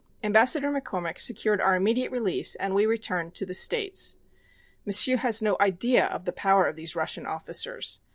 Ambassador McCormick secured our immediate release, and we returned to the States. M'sieu' has no idea of the power of these Russian officers.